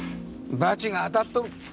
バチが当たっとる！